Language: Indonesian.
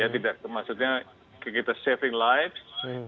maksudnya kita saving lives